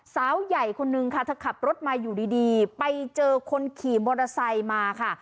สาวใหญ่คนนึงค่ะเธอขับรถมาอยู่ดีไปเจอคนขี่มอเตอร์ไซค์มาค่ะ